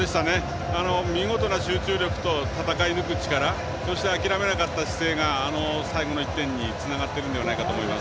見事な集中力と戦い抜く力そして諦めなかった姿勢が最後の１点につながったと思います。